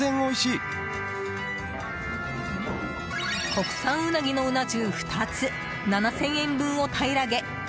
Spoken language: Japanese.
国産うなぎのうな重、２つ７０００円分を平らげ